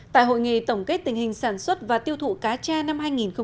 tại hội nghị tổng kết tình hình sản xuất và tiêu thụ cá tra năm hai nghìn một mươi chín